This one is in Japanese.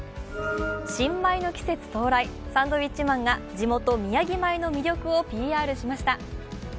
新米の季節到来、サンドウィッチマンが地元、みやぎ米の魅力をＰＲしました。